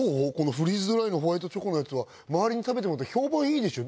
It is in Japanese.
フリーズドライのホワイトチョコのやつは周りに食べてもらうと評判いいでしょ？